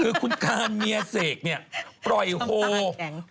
คือคุณการเมียเศกเนี่ยปล่อยโฮบังกาย